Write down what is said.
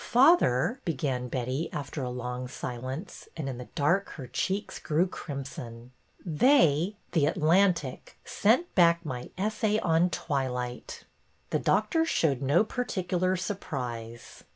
Father," began Betty after a long silence, and in the dark her cheeks grew crimson, ''they — The Atlantic sent back my essay on ' Twilight.' " The doctor showed no particular surprise.